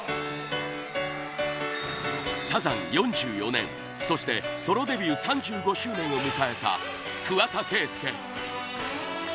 ４４年、そしてソロデビュー３５周年を迎えた桑田佳祐